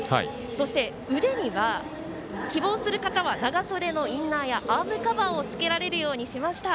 そして腕には希望する方は長袖のインナーやアームカバーをつけられるようにしました。